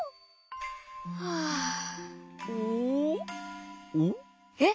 はあえっ！？